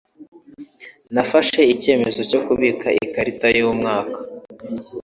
Nafashe icyemezo cyo kubika ikarita yumwaka.